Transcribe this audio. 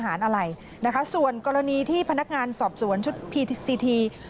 ถ้าฟังอย่างนี้ก็พูดทำนองเดียวกัน